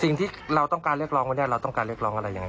สิ่งที่เราต้องการเรียกร้องวันนี้เราต้องการเรียกร้องอะไรยังไง